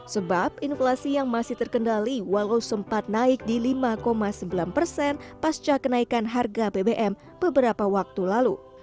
sebab inflasi yang masih terkendali walau sempat naik di lima sembilan persen pasca kenaikan harga bbm beberapa waktu lalu